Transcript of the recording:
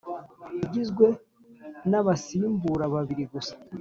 Igizwe n Abasimbura babiri gusa